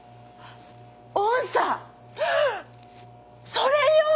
それよ！